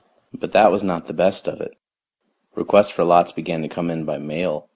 But that was not the best of it. Requests for lots began to come in by mail.